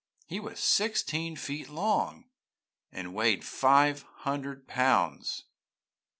He was sixteen feet long, and weighed five hundred pounds.'